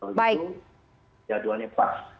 kalau gitu jadwalnya pas